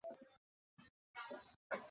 বেশ, কী করতে বলছো আমাকে?